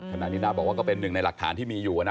ถนนี้น่าบอกว่าเป็นหนึ่งในหลักฐานที่มีอยู่นะ